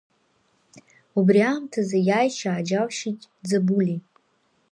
Убри аамҭазы иааишьа ааџьалшьеит Ӡабули.